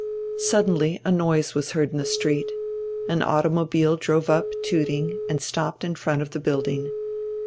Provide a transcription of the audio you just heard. Suddenly a noise was heard in the street. An automobile drove up tooting and stopped in front of the building.